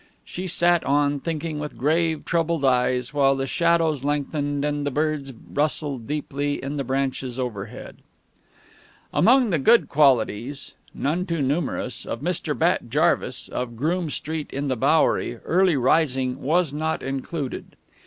She sat on, thinking, with grave, troubled eyes, while the shadows lengthened and the birds rustled sleepily in the branches overhead. Among the good qualities, none too numerous, of Mr. Bat Jarvis, of Groome Street in the Bowery, early rising was not included.